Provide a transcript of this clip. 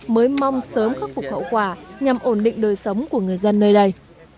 mới mong sớm khắc phục hậu quả nhằm ổn định đời sống của người dân nơi đây